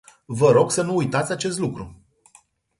Vă rog să nu uitați acest lucru.